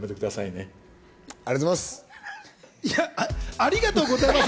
ありがとうございます。